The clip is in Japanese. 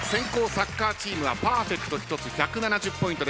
サッカーチームはパーフェクト１つ１７０ポイントでしたが。